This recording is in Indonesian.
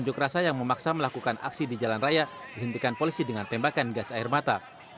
unjuk rasa yang memaksa melakukan aksi di jalan raya dihentikan polisi dengan tembakan gas air mata